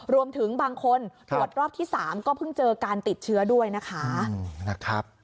รวมถึงบางคนตรวจรอบที่๓ก็เพิ่งเจอการติดเชื้อด้วยนะคะ